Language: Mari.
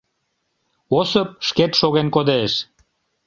Осып шкет шоген кодеш.